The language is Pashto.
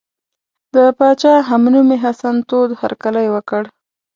د پاچا همنومي حسن تود هرکلی وکړ.